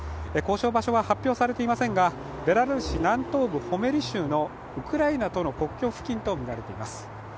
交渉場所は発表されていませんが、ベラルーシ南東部ホメリ州のウクライナとの国境付近とみられています。